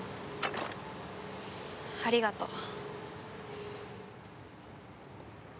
ありがとう。